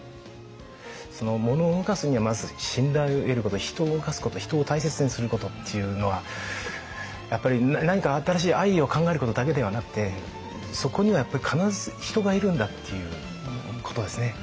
物を動かすにはまず信頼を得ること人を動かすこと人を大切にすることっていうのはやっぱり何か新しいアイデアを考えることだけではなくてそこにはやっぱり必ず人がいるんだっていうことですね。